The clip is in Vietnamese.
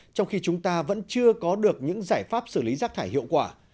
trong khi chúng ta vẫn chưa có được những giải pháp xử lý rác thải hiệu quả